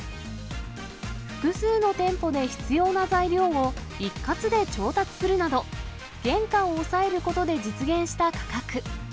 複数の店舗で必要な材料を一括で調達するなど、原価を抑えることで実現した価格。